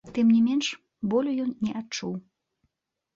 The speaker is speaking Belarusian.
Тым не менш, болю ён не адчуў.